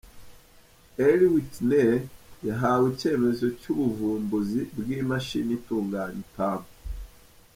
Eli Whitney yahawe icyemezo cy’ubuvumbuzi bw’imashini itunganya ipamba.